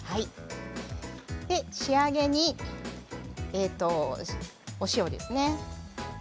仕上げに、お塩ですね。